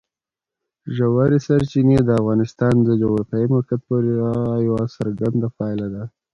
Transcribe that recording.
ژورې سرچینې د افغانستان د جغرافیایي موقیعت پوره یوه څرګنده پایله ده.